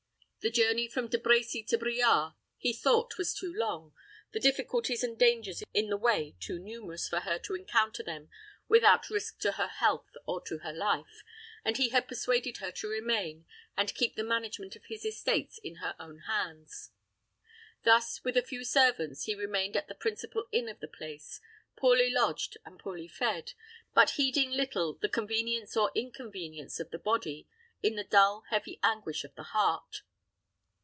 The journey from De Brecy to Briare he thought was too long, the difficulties and dangers in the way too numerous for her to encounter them without risk to her health or to her life, and he had persuaded her to remain, and keep the management of his estates in her own hands. Thus, with a few servants, he remained at the principal inn of the place, poorly lodged, and poorly fed, but heeding little the convenience or inconvenience of the body in the dull, heavy anguish of the heart.